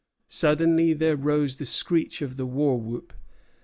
Suddenly there rose the screech of the war whoop.